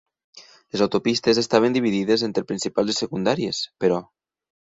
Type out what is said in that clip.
Les autopistes estaven dividides entre principals i secundàries, però.